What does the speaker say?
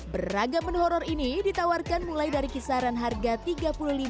beragam menu horror ini ditawarkan mulai dari kisaran harga rp tiga puluh lima hingga rp lima puluh sembilan per porsinya